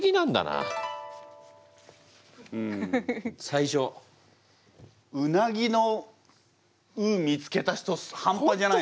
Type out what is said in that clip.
最初うなぎの「う」見つけた人半端じゃないですね。